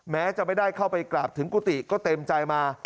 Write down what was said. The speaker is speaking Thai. แม้จะไม่ได้เข้าไปกราบถึงกุฏิก็เต็มใจมา